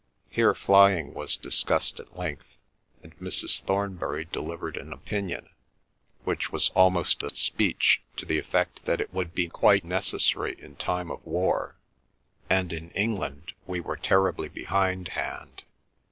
Here flying was discussed at length, and Mrs. Thornbury delivered an opinion which was almost a speech to the effect that it would be quite necessary in time of war, and in England we were terribly behind hand.